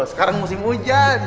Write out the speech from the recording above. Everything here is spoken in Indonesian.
sekarang musim hujan